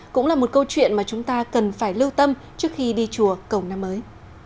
cũng là một câu chuyện mà chúng ta cần phải lưu tâm trước khi đi chùa cầu năm mới